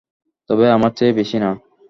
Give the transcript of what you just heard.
তবে আমার চেয়ে বেশি না।